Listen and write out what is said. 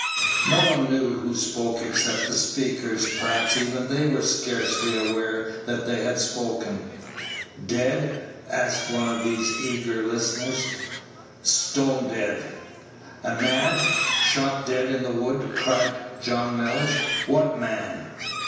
No one knew who spoke except the speakers; perhaps even they were scarcely aware that they had spoken. "Dead?" asked one of those eager listeners. "Stone dead." "A man shot dead in the wood!" cried John Mellish; "what man?"